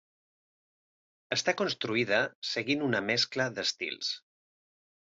Està construïda seguint una mescla d'estils.